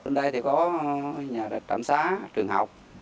lên đây thì có nhà trạm xá trường học